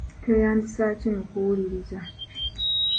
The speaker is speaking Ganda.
Tweyambisa ki mu kuwuliriza